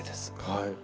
はい。